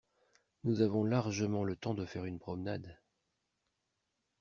Nous avons largement le temps de faire une promenade.